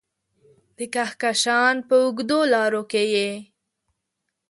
د کهکشان په اوږدو لارو کې یې